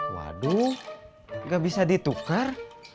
waduh nggak bisa ditukar